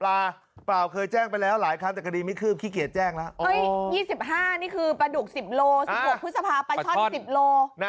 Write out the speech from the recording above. รบภูตชฟาประช่อน๑๐โล